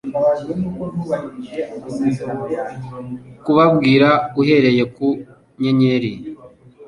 kubabwira uhereye ku nyenyeri -